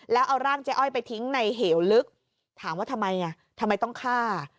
แล้วเอาร่างเจ๊อ้อยไปทิ้งในเหวลึกถามว่าทำไมทำไมต้องฆ่า